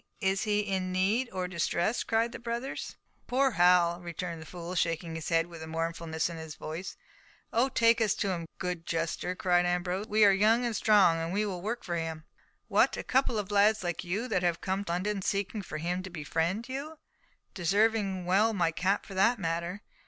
is he in need, or distress?" cried the brothers. "Poor Hal!" returned the fool, shaking his head with mournfulness in his voice. "Oh, take us to him, good—good jester," cried Ambrose. "We are young and strong. We will work for him." "What, a couple of lads like you, that have come to London seeking for him to befriend you—deserving well my cap for that matter.